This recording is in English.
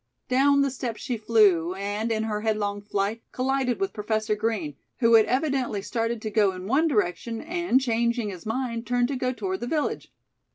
Down the steps she flew, and, in her headlong flight, collided with Professor Green, who had evidently started to go in one direction and, changing his mind, turned to go toward the village.